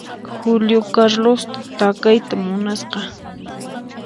Julio Carlosta takayta munasqa.